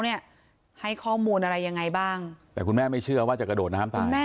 เนี่ยให้ข้อมูลอะไรยังไงบ้างแต่คุณแม่ไม่เชื่อว่าจะกระโดดน้ำตาย